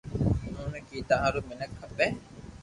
اوني ڪيدا ھارون مينک کپي